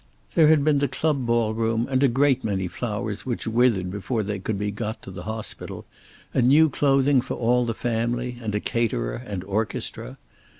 There had been the club ballroom, and a great many flowers which withered before they could be got to the hospital; and new clothing for all the family, and a caterer and orchestra.